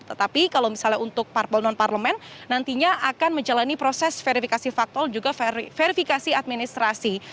tetapi kalau misalnya untuk parpol non parlemen nantinya akan menjalani proses verifikasi faktual juga verifikasi administrasi